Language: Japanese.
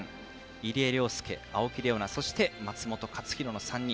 入江陵介、青木玲緒樹そして松元克央の３人。